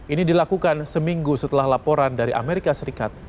ini dilakukan seminggu setelah laporan dari amerika serikat